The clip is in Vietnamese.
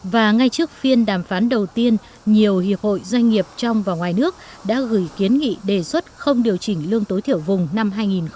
và ngay trước phiên đàm phán đầu tiên nhiều hiệp hội doanh nghiệp trong và ngoài nước đã gửi kiến nghị đề xuất không điều chỉnh lương tối thiểu vùng năm hai nghìn hai mươi